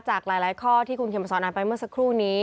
จากหลายข้อที่คุณเข็มมาสอนอ่านไปเมื่อสักครู่นี้